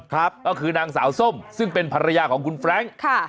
ก็คือนางสาวส้มซึ่งเป็นภรรยาของคุณแฟรงค์